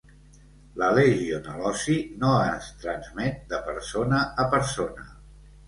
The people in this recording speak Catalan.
La legionel·losi no es transmet de persona a persona.